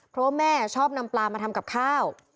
เพราะว่าแม่ชอบนำปลามาทำกับข้าว